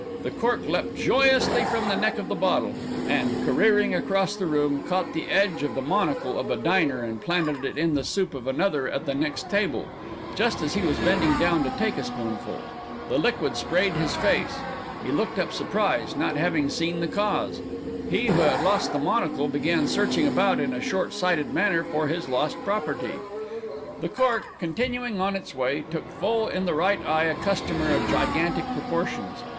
The cork leapt joyously from the neck of the bottle and, careering across the room, caught the edge of the monocle of a diner and planted it in the soup of another at the next table, just as he was bending down to take a spoonful. The liquid sprayed his face. He looked up surprised, not having seen the cause. He who had lost the monocle began searching about in a short sighted manner for his lost property. The cork, continuing on its way, took full in the right eye a customer of gigantic proportions.